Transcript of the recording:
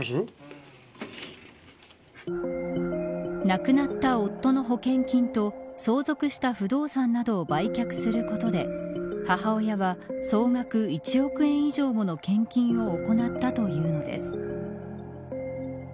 亡くなった夫の保険金と相続した不動産などを売却することで母親は総額１億円以上もの献金を行ったというのです。